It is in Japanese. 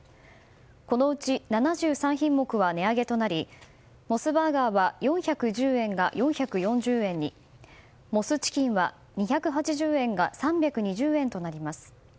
このうち７３品目は値上げとなりモスバーガーは４１０円が４４０円にモスチキンは２８０円が３２０円となります。